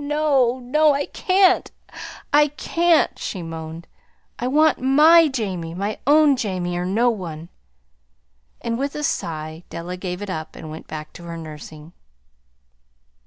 "No, no, I can't, I can't!" she moaned. "I want my Jamie, my own Jamie or no one." And with a sigh Della gave it up and went back to her nursing.